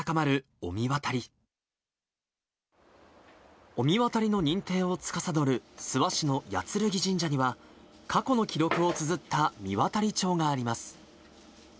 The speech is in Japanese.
御神渡りの認定をつかさどる、諏訪市の八剣神社には、過去の記録をつづった神渡帳があります。